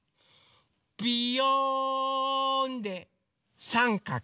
ビヨーンでさんかく。